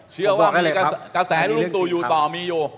เชื่อว่ากระแสที่ลุงตู่อยู่ต่อมีอยู่